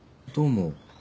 どうも。